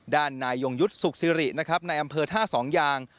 นายยงยุทธ์สุขซิรินะครับในอำเภอท่าสองยาง